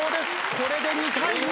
これで２対２。